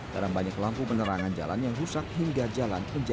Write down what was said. karena banyak lampu penerangan jalan yang rusak hingga jalan penjajaran